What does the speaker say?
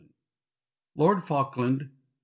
LORD FALKLAND MR.